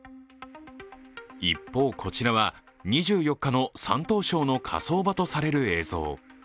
一方、こちらは２４日の山東省の火葬場とされる映像。